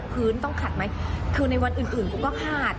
พื้นต้องขัดไหมคือในวันอื่นกูก็ขาด